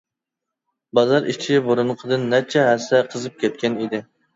بازار ئىچى بۇرۇنقىدىن نەچچە ھەسسە قىزىپ كەتكەن ئىدى.